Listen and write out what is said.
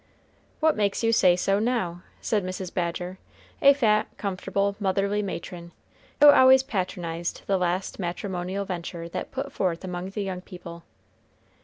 "What makes you say so, now?" said Mrs. Badger, a fat, comfortable, motherly matron, who always patronized the last matrimonial venture that put forth among the young people.